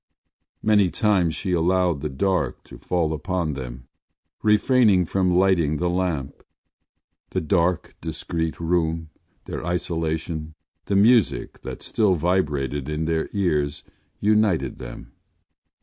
Many times she allowed the dark to fall upon them, refraining from lighting the lamp. The dark discreet room, their isolation, the music that still vibrated in their ears united them.